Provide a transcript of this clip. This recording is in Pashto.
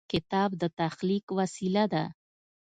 کتاب د تخلیق وسیله ده.